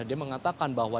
dia mengatakan bahwa